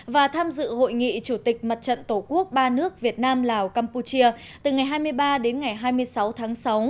và tham dự hội nghị chủ tịch mặt trận tổ quốc ba nước việt nam lào campuchia từ ngày hai mươi ba đến ngày hai mươi sáu tháng sáu